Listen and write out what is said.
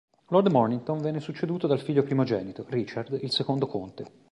Lord Mornington venne succeduto dal figlio primogenito, Richard, il secondo conte.